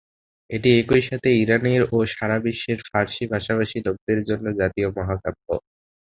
এটি একই সাথে ইরানের ও সারা বিশ্বের ফার্সি ভাষাভাষী লোকদের জন্য জাতীয় মহাকাব্য।